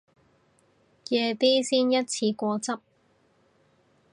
夜啲先一次過執